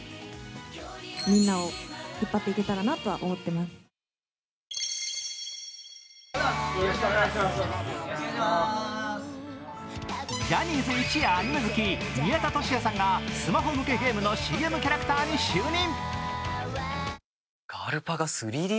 目指すキャプテン像はジャニーズいちアニメ好き宮田俊哉さんがスマホ向けゲームのＣＭキャラクターに就任。